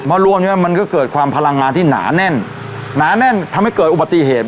รวมเนี้ยมันก็เกิดความพลังงานที่หนาแน่นหนาแน่นทำให้เกิดอุบัติเหตุ